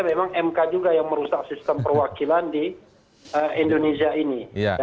memang mk juga yang merusak sistem perwakilan di indonesia ini